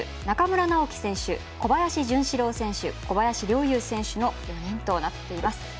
中村直幹選手、小林潤志郎選手小林陵侑選手の４人となっています。